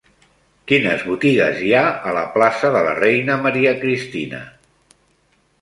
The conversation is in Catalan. Quines botigues hi ha a la plaça de la Reina Maria Cristina?